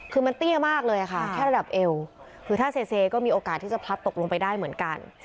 คือมันเตี้ยมากเลยค่ะแค่ระดับเอวคือถ้าเซเซก็มีโอกาสที่จะพลัดตกลงไปได้เหมือนกัน